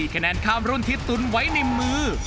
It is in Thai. คะแนนข้ามรุ่นที่ตุนไว้ในมือ